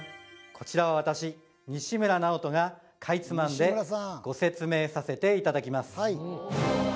こちらは私西村直人がかいつまんでご説明させていただきます